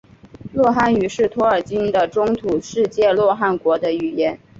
洛汗语是托尔金的中土世界洛汗国的语言。